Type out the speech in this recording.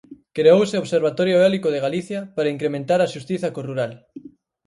Creouse o Observatorio Eólico de Galicia para incrementar a xustiza co rural.